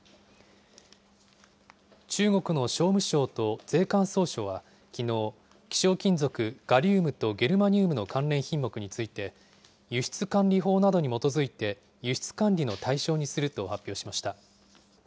中国の商務省と税関総署は、きのう、希少金属、ガリウムとゲルマニウムの関連品目について、輸出管理法などに基づいて輸出管理の対象にすると発表しました。